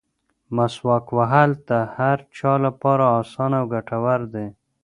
مسواک وهل د هر چا لپاره اسانه او ګټور دي.